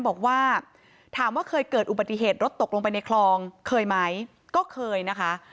บอกว่าถามว่าเคยเกิดอุบัติเหตุรถตกลงไปในคลองเคยไหมก็เคยนะคะ